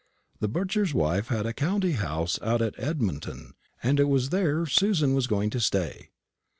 The butcher's wife had a country house out at Edmonton, and it was there Susan was going to stay."